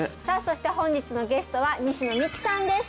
そして本日のゲストは西野未姫さんです